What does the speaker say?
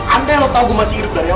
andai lo tau gue masih hidup dari awal